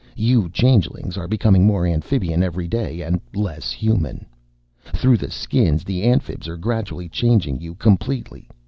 You Changelings are becoming more Amphibian every day and less Human. Through the Skins the Amphibs are gradually changing you completely.